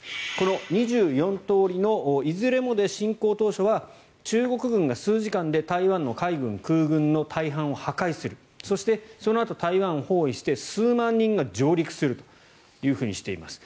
２４通りのいずれも進攻当初は中国軍が数時間で台湾の海軍、空軍の大半を破壊するそして、そのあと台湾を包囲して数万人が上陸するとしています。